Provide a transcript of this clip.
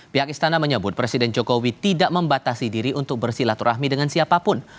pihak istana menyebut presiden jokowi tidak membatasi diri untuk bersilaturahmi dengan siapapun